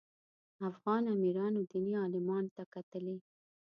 افغان امیرانو دیني عالمانو ته کتلي.